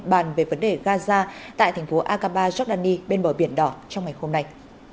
bàn về vấn đề gaza tại thành phố agaba giordani bên bờ biển đỏ trong ngày hôm nay